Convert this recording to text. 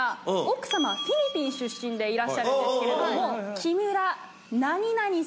奥様はフィリピン出身でいらっしゃるんですけれども木村何々さんでしょう？